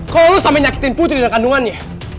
kalau lu sampe nyakitin putri dan kandungannya